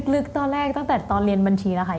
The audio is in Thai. ลึกตอนแรกตั้งแต่ตอนเรียนบัญชีแล้วค่ะ